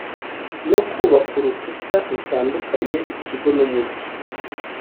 no kubaka urukuta rutandukanya ikigo n'umugi